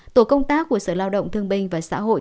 tổ công tác của sở lao động thương binh và xã hội